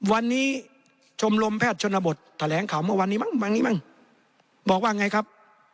วันนี้ชมรมแพทย์ชนบทแถลงข่าวเมื่อวันนี้บ้างบอกว่าไงครับ